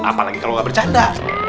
apalagi kalau gak bercanda